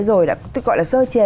rồi đã gọi là sơ chế